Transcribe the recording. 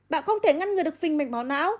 bạn không thể ngăn ngừa được phình mạch máu não